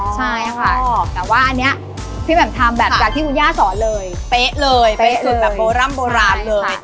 ใช่ค่ะแต่ว่าอันนี้พี่แหม่มทำแบบจากที่คุณย่าสอนเลยเป๊ะเลยเป๊ะสุดแบบโบร่ำโบราณเลย